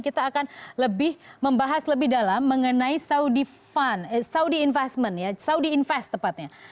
kita akan lebih membahas lebih dalam mengenai saudi fund saudi investment ya saudi invest tepatnya